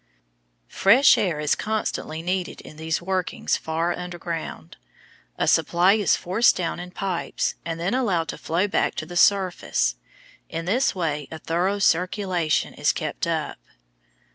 Fresh air is constantly needed in these workings far underground. A supply is forced down in pipes, and then allowed to flow back to the surface. In this way a thorough circulation is kept up.